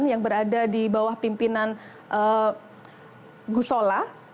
yang berada di bawah pimpinan gusola